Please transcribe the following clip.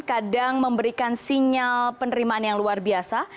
kadang memberikan sinyal penerimaan yang luar biasa